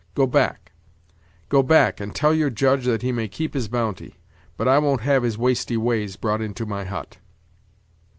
Go back go back, and tell your Judge that he may keep his bounty; but I won't have his wasty ways brought into my hut."